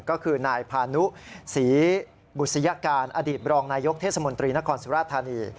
ก็คือนายพานุศรีบุษยการอดีตบรองนายกเทศมนตรีนครสุราธานี